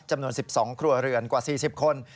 จำนวน๑๒ครัวเรือนกว่า๔๐คน